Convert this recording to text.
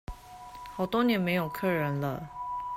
好多年沒有客人了